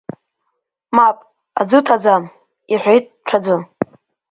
Мап, аӡы ҭаӡам, — иҳәеит ҽаӡәы.